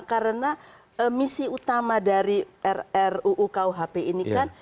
karena misi utama dari ruukuhp ini kan